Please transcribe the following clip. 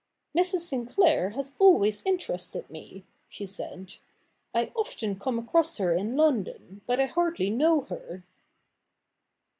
' Mrs. Sinclair has always interested me,' she said. ' I often come across her in London, but I hardly know her.'